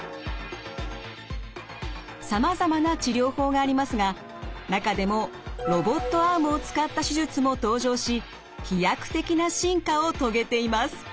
さまざまな治療法がありますが中でもロボットアームを使った手術も登場し飛躍的な進化を遂げています。